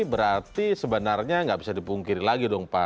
berarti sebenarnya nggak bisa dipungkiri lagi dong pak